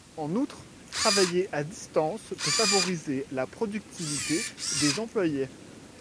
En outre, travailler à distance peut favoriser la productivité des employés.